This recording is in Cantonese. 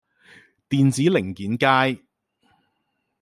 電子零件街